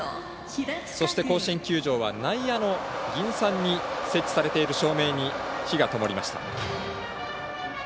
そして、甲子園球場は内野の銀傘に設置されている照明に灯がともりました。